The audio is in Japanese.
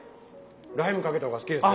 ライムかけた方が好きですね。